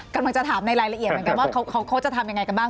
กำลังจะถามในรายละเอียดเหมือนกันว่าเขาจะทำยังไงกันบ้าง